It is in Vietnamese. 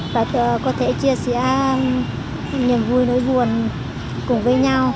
và có thể chia sẻ niềm vui nỗi buồn cùng với nhau